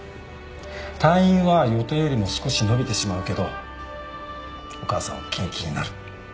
退院は予定よりも少し延びてしまうけどお母さんは元気になる。